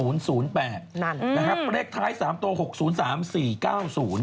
นะครับเลขท้าย๓ตัว